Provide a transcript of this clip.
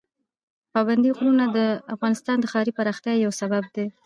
پابندي غرونه د افغانستان د ښاري پراختیا یو سبب دی.